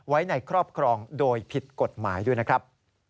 ไว้ในครอบครองโดยผิดกฎหมายด้วยนะครับ